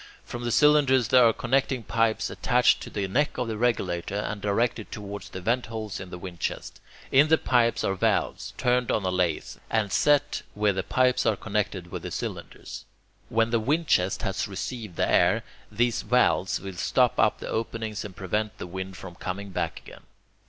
From the cylinders there are connecting pipes attached to the neck of the regulator, and directed towards the ventholes in the windchest. In the pipes are valves, turned on a lathe, and set (where the pipes are connected with the cylinders). When the windchest has received the air, these valves will stop up the openings, and prevent the wind from coming back again.